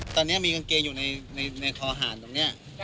ตอนนี้มีกางเกงอยู่ในคอหารตรงนี้